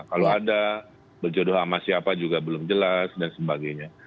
kalau ada berjodoh sama siapa juga belum jelas dan sebagainya